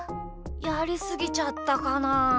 やりすぎちゃったかな？